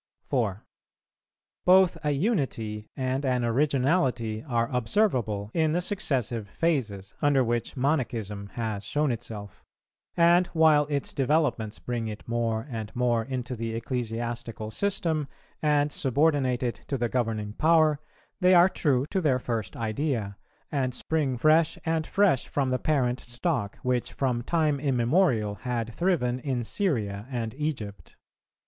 4. Both a unity and an originality are observable in the successive phases under which Monachism has shown itself; and while its developments bring it more and more into the ecclesiastical system, and subordinate it to the governing power, they are true to their first idea, and spring fresh and fresh from the parent stock, which from time immemorial had thriven in Syria and Egypt.